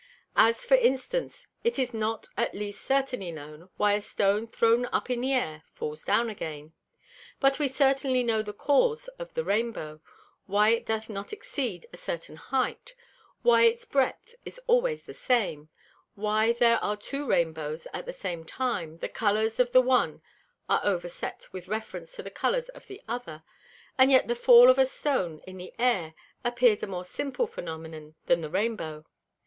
As for instance, it is not at least certainly known, why a Stone thrown up into the Air falls down again; but we certainly know the cause of the Rainbow, why it doth not exceed a certain height; why its breadth is always the same; why when there are two Rainbows at the same time, the Colours of the one are overset with reference to the Colours of the other; and yet the fall of a Stone in the Air appears a more simple Phænomenon, than the Rainbow.